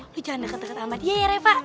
lo jangan deket deket sama dia ya reva